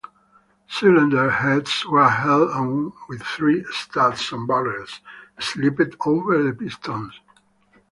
Cylinder heads were held on with three studs and barrels slipped over the pistons.